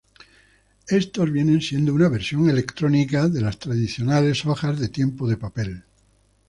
Estos vienen siendo una versión electrónica de las tradicionales hojas de tiempo de papel.